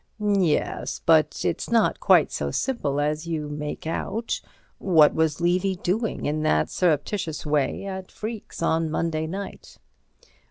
"Yes; but it's not quite so simple as you make out. What was Levy doing in that surreptitious way at Freke's on Monday night?"